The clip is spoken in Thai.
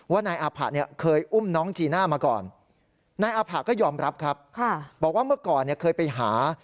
นายอาผะเนี่ยเคยอุ้มน้องจีน่ามาก่อนนายอาผะก็ยอมรับครับบอกว่าเมื่อก่อนเนี่ยเคยไปหา